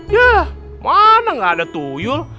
yah mana nggak ada tuyul